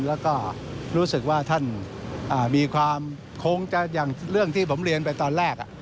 แล้วก็รู้สึกว่าท่านมีความคงจะอย่างเรื่องที่ผมเรียนไปตอนแรก